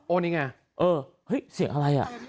นี่ไงเออเฮ้ยเสียงอะไรอ่ะ